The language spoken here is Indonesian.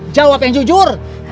jawab yang jujur